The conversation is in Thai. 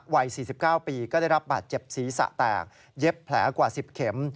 วัย๔๙ปีก็ได้รับบาดเจ็บศีรษะแตกเย็บแผลกว่า๑๐เข็ม